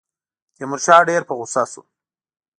تیمورشاه ډېر په غوسه شو.